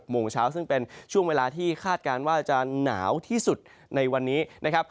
โมงเช้าซึ่งเป็นช่วงเวลาที่คาดการณ์ว่าจะหนาวที่สุดในวันนี้นะครับ